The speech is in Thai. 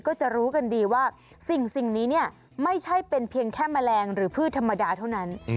ก็จะรู้กันดีว่าสิ่งนี้เนี่ยไม่ใช่เป็นเพียงแค่แมลงหรือพืชธรรมดาเท่านั้น